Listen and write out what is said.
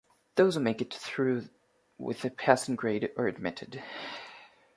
Those who make it through with a passing grade are admitted.